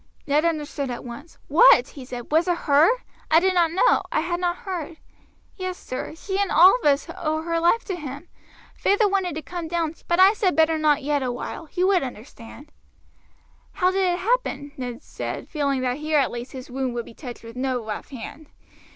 Ned understood at once. "What!" he said; "was it her? I did not know; I had not heard." "Yes, sir; she and all of us owe her life to him. Feyther wanted to come down to you, but I said better not yet awhile, you would understand." "How did it happen?" Ned said, feeling that here at least his wound would be touched with no rough hand.